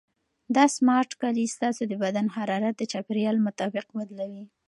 دا سمارټ کالي ستاسو د بدن حرارت د چاپیریال مطابق بدلوي.